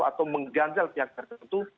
atau mengganjal pihak tertentu